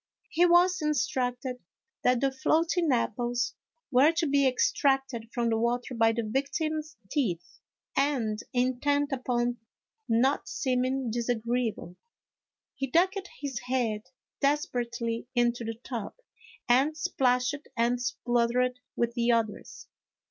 He was instructed that the floating apples were to be extracted from the water by the victim's teeth, and intent upon not seeming disagreeable, he ducked his head desperately into the tub and splashed and spluttered with the others.